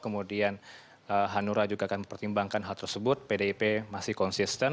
kemudian hanura juga akan mempertimbangkan hal tersebut pdip masih konsisten